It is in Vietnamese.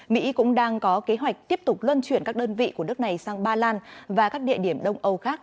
mỹ cũng đang có kế hoạch tiếp tục luân chuyển các đơn vị của nước này sang ba lan và các địa điểm đông âu khác